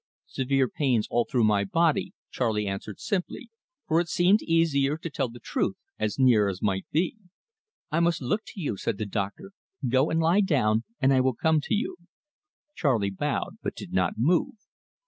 "Severe pains all through my body," Charley answered simply, for it seemed easier to tell the truth, as near as might be. "I must look to you," said the doctor. "Go and lie down, and I will come to you." Charley bowed, but did not move.